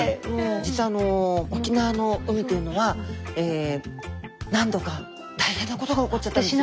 実はあの沖縄の海というのは何度か大変なことが起こっちゃったんですね。